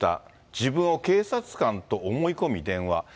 自分を警察官と思い込み電話。